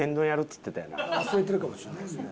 忘れてるかもしれないですね。